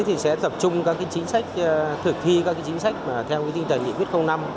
chúng tôi sẽ tập trung các chính sách thực thi các chính sách theo tinh tài nghị quyết năm